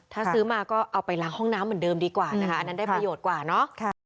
ถ้าซื้อมาก็เอาไปล้างห้องน้ำเหมือนเดิมดีกว่านะคะอันนั้นได้ประโยชน์กว่าเนอะ